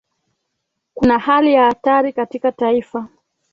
kuna hali ya hatari katika taifa